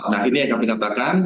nah ini yang kami katakan